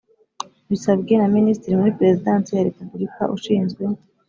Bisabwe na Minisitiri muri Perezidansi ya Repubulika ushinzwe